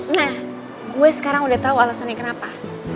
nah gue sekarang udah tahu alasannya kenapa